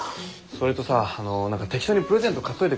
それとさ何か適当にプレゼント買っといてくれる？